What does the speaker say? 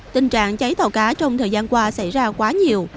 tình trạng cháy tàu cá trong thời gian qua xảy ra quá nhiều